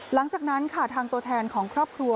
หลังจากนั้นค่ะทางตัวแทนของครอบครัว